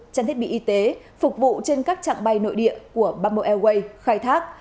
chăn thiết bị y tế phục vụ trên các trạng bay nội địa của bubble airways khai thác